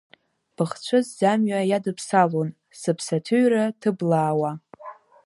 Быхцәы сӡамҩа иадыԥсалон, сыԥс аҭыҩра ҭыблаауа.